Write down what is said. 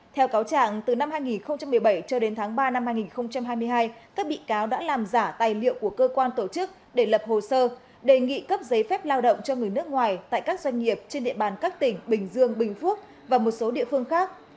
theo cáo trạng từ năm hai nghìn một mươi bảy cho đến tháng ba năm hai nghìn hai mươi hai các bị cáo đã làm giả tài liệu của cơ quan tổ chức để lập hồ sơ đề nghị cấp giấy phép lao động cho người nước ngoài tại các doanh nghiệp trên địa bàn các tỉnh bình dương bình phước và một số địa phương khác